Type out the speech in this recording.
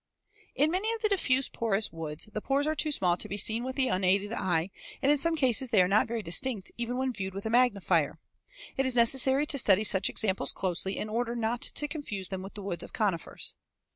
In many of the diffuse porous woods, the pores are too small to be seen with the unaided eye, and in some cases they are not very distinct even when viewed with a magnifier. It is necessary to study such examples closely in order not to confuse them with the woods of conifers.